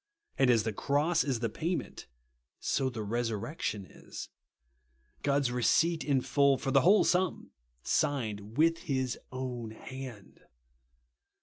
And as the cross is the payment, so the resurrection is. God's receipt in full, for the whole sum, signed with his own hand.